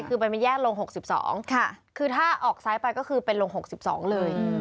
คือมันแยกลง๖๒คือถ้าออกซ้ายไปก็คือเป็นลง๖๒เลย